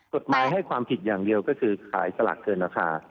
กฎหมายให้ความผิดอย่างเดียวก็คือขายสลากเกินราคา